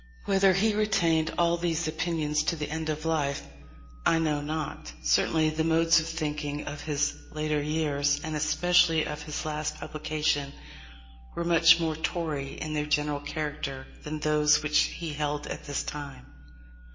Whether he retained all these opinions to the end of life I know not. Certainly the modes of thinking of his later years, and especially of his last publication, were much more Tory in their general character than those which he held at this time.